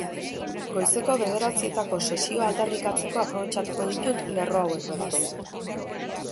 Goizeko bederatzietako sesioa aldarrikatzeko aprobetxatuko ditut lerro hauek, berriz.